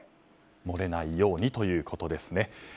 漏れないようにということですね。